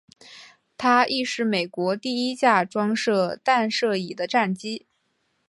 它亦是美国第一架装设弹射椅的战机。